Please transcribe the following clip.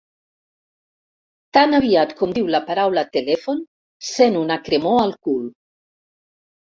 Tan aviat com diu la paraula telèfon sent una cremor al cul.